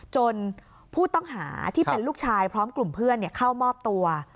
จนผู้ต้องหาที่เป็นลูกชายพร้อมกลุ่มเพื่อนเข้ามอบตัว